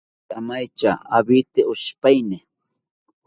Aate amaetyaka owite oshipaeni